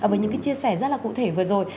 với những cái chia sẻ rất là cụ thể vừa rồi